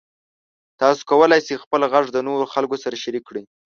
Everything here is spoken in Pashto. تاسو کولی شئ خپل غږ د نورو خلکو سره شریک کړئ.